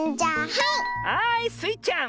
はいスイちゃん！